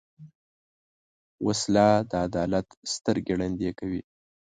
وسله د عدالت سترګې ړندې کوي